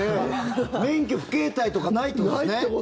免許不携帯とかないってことですね。